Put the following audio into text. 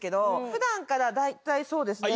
普段から大体そうですね。